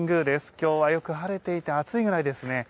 今日はよく晴れていて暑いくらいですね。